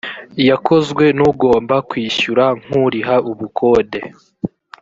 yakozwe n ugomba kwishyura nk uriha ubukode